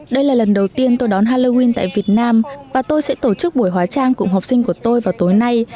đây là lần đầu tiên tôi đón halloween tại việt nam và tôi sẽ tổ chức buổi hóa trang cùng học sinh của tôi vào tối nay